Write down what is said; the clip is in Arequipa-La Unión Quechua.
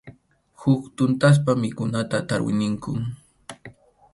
Huk tuntaspa mikhunata tarwi ninkum.